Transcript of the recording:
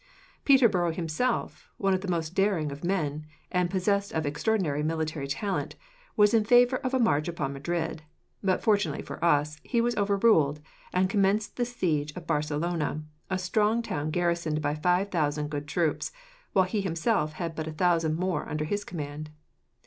Peterborough himself, one of the most daring of men, and possessed of extraordinary military talent, was in favour of a march upon Madrid; but, fortunately for us, he was overruled, and commenced the siege of Barcelona a strong town garrisoned by five thousand good troops, while he himself had but a thousand more under his command.